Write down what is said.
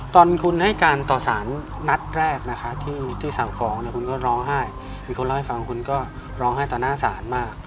ตอนคุณให้การต่อสารนัดแรกที่สั่งฟองคุณก็ร้องไห้มีคนเล่าให้ฟังคุณก็ร้องไห้ต่อหน้าสารมาก